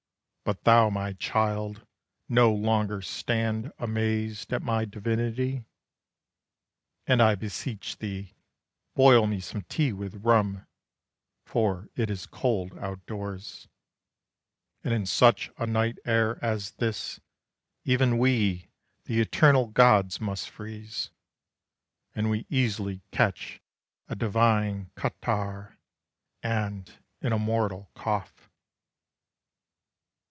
But thou my child, no longer stand amazed At my divinity. And I beseech thee, boil me some tea with rum, For it is cold out doors, And in such a night air as this, Even we, the eternal gods, must freeze. And we easily catch a divine catarrh, And an immortal cough."